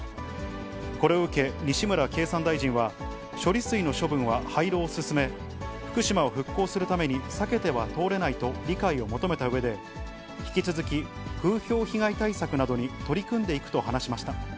これを受け、西村経産大臣は、処理水の処分は、廃炉を進め、福島を復興するために避けては通れないと理解を求めたうえで、引き続き、風評被害対策などに取り組んでいくと話しました。